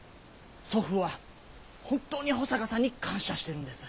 祖父は本当に保坂さんに感謝してるんです。